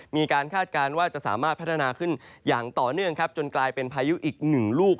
คาดการณ์ว่าจะสามารถพัฒนาขึ้นอย่างต่อเนื่องครับจนกลายเป็นพายุอีกหนึ่งลูก